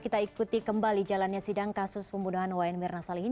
kita ikuti kembali jalannya sidang kasus pembunuhan wayan mirna salihin